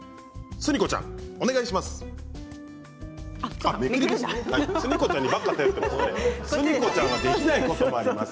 スニ子ちゃん、お願いします。